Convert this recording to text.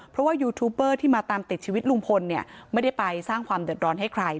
เพราะว่ายูทูปเบอร์ที่มาตามติดชีวิตลุงพลเนี่ยไม่ได้ไปสร้างความเดือดร้อนให้ใคร